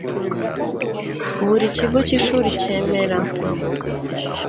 buri kigo cy ishuri cyemera